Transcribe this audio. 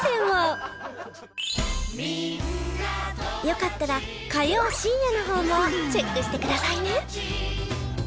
よかったら火曜深夜の方もチェックしてくださいね。